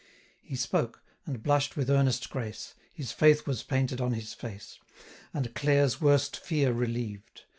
He spoke, and blush'd with earnest grace; 890 His faith was painted on his face, And Clare's worst fear relieved.